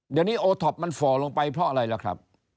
เดี๋ยวนี้โอท็อปมันฝ่อลงไปเพราะอะไรล่ะครับ